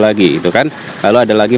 lagi itu kan lalu ada lagi